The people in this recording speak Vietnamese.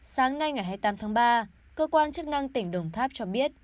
sáng nay ngày hai mươi tám tháng ba cơ quan chức năng tỉnh đồng tháp cho biết